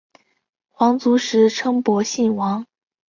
皇族时称博信王。